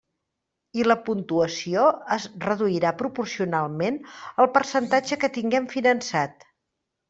I la puntuació es reduirà proporcionalment al percentatge que tinguen finançat.